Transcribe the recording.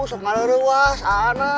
sok malah lewat sana